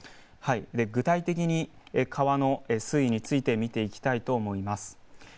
具体的に川の水位について見ていきたいと思います。